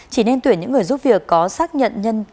chỉ nên tuyển những người giúp việc có xác nhận